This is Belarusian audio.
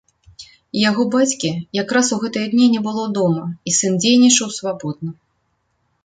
Яго бацькі якраз у гэтыя дні не было дома, і сын дзейнічаў свабодна.